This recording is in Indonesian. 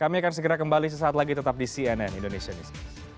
kami akan segera kembali sesaat lagi tetap di cnn indonesia news